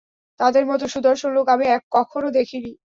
তাদের মত সুদর্শন লোক আমি কখনও দেখিনি।